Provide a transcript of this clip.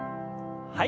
はい。